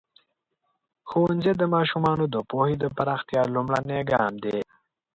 ښوونځی د ماشومانو د پوهې د پراختیا لومړنی ګام دی.